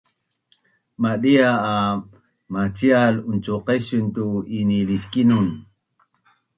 madia a macial uncuqesun tu iniliskinun